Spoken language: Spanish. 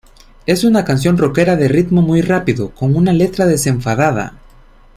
Es una canción roquera de ritmo muy rápido, con una letra desenfadada.